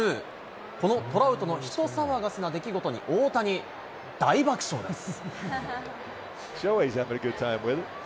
このトラウトの人騒がせな出来事に、大谷、大爆笑です。